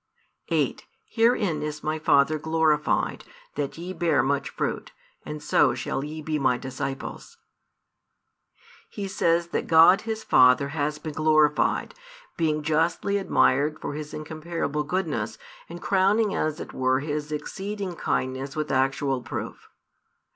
8 Herein is My Father glorified, that ye bear much fruit, and so shall ye be My disciples. He says that God His Father has been glorified, being justly admired for His incomparable goodness and crowning as it were His exceeding kindness with actual proof.